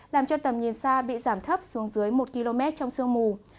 làm cho tầm nhìn xa bị giảm thấp xuống dưới một km trong sương mù